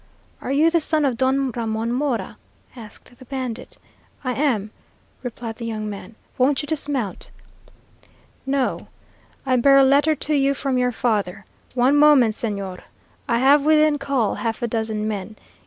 "Are you the son of Don Ramon Mora?" asked the bandit. "I am," replied the young man; "won't you dismount?" "No. I bear a letter to you from your father. One moment, señor! I have within call half a dozen men.